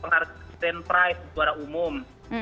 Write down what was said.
pengaruh stand price juara umum